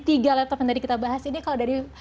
tiga laptop yang tadi kita bahas ini kalau dari